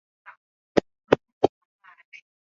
Sufuria chafu.